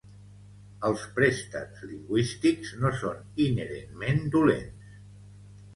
Els préstecs lingüístics no són inherentment dolents.